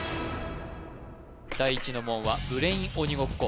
第一の門はブレイン鬼ごっこ